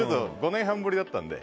５年半ぶりだったので。